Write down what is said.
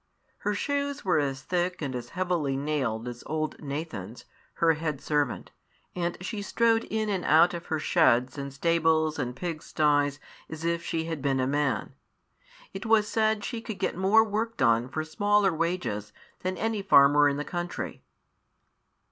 Her shoes were as thick and as heavily nailed as old Nathan's, her head servant, and she strode in and out of her sheds and stables and pigsties as if she had been a man. It was said she could get more work done for smaller wages than any farmer in the country.